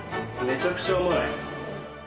めちゃくちゃ甘い。